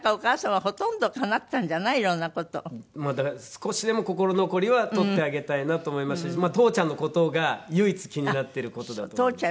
少しでも心残りは取ってあげたいなと思いましたし父ちゃんの事が唯一気になってる事だと。